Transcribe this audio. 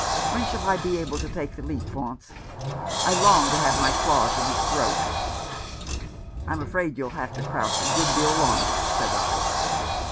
When shall I be able to take the leap, Faunce ? I long to have my claws in his throat." " I'm afraid you'll have to crouch a good deal longer," said I.